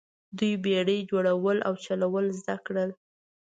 دوی بیړۍ جوړول او چلول زده کړل.